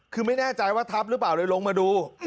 คือไม่แน่ใจว่าทับหรือเปล่าเลยลงมาดู